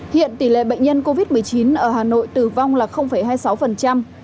hiện tỷ lệ bệnh nhân covid một mươi chín ở hà nội tử vong là hai mươi sáu